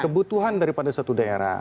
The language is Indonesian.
kebutuhan daripada satu daerah